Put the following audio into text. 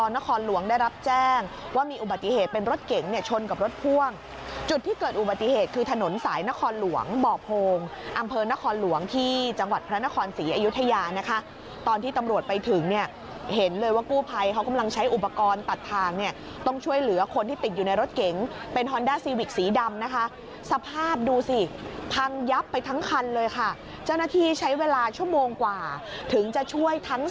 นครหลวงได้รับแจ้งว่ามีอุบัติเหตุเป็นรถเก๋งเนี่ยชนกับรถพ่วงจุดที่เกิดอุบัติเหตุคือถนนสายนครหลวงบ่อโพงอำเภอนครหลวงที่จังหวัดพระนครศรีอายุทยานะคะตอนที่ตำรวจไปถึงเนี่ยเห็นเลยว่ากู้ภัยเขากำลังใช้อุปกรณ์ตัดทางเนี่ยต้องช่วยเหลือคนที่ติดอยู่ในรถเก๋งเป็นฮอนดาซีว